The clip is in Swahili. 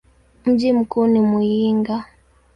Mji mkuu ni Muyinga.